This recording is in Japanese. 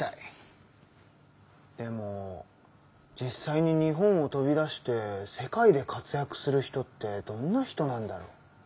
でも実際に日本を飛び出して世界で活躍する人ってどんな人なんだろう？